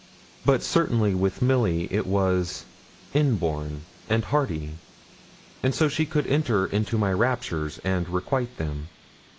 But certainly with Milly it was inborn and hearty; and so she could enter into my raptures, and requite them.